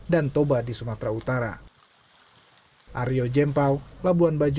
dan toba di sumatera utara